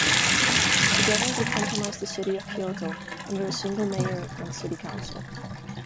Together, they comprise the city of Kyoto, under a single mayor and city council.